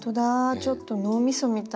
ちょっと脳みそみたい。